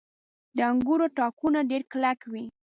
• د انګورو تاکونه ډېر کلک وي.